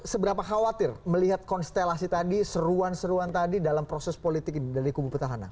seberapa khawatir melihat konstelasi tadi seruan seruan tadi dalam proses politik ini dari kubu petahana